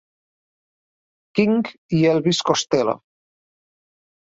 King i Elvis Costello.